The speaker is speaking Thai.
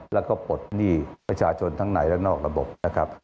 แล้วก็ปลดหนี้ประชาชนทั้งในและนอกระบบนะครับ